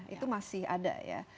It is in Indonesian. itu masih ada ya